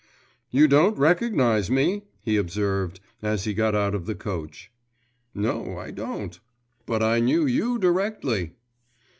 'You don't recognise me?' he observed, as he got out of the coach. 'No, I don't.' 'But I knew you directly.